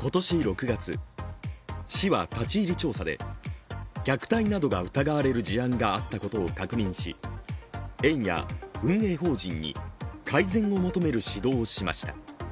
今年６月、市は立ち入り調査で、虐待などが疑われる事案があったことを確認し園や運営法人に改善を求める指導をしました。